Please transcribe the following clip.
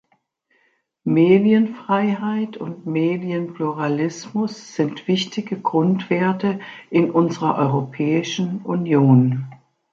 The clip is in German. Medienfreiheit und Medienpluralismus sind wichtige Grundwerte in unserer Europäischen Union.